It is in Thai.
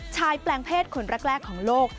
แปลงเพศคนแรกของโลก